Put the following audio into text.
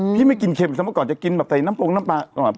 พี่ไม่กินเค็มสมัครก่อนจะกินแบบใส่น้ำโปรงน้ำปลา